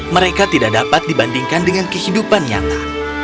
mereka tidak dapat dibandingkan dengan kehidupan nyata